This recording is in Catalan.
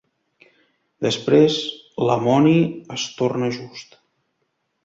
Després, Lamoni es torna just.